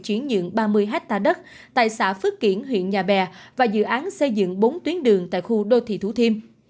chuyển nhượng ba mươi hectare đất tại xã phước kiển huyện nhà bè và dự án xây dựng bốn tuyến đường tại khu đô thị thủ thiêm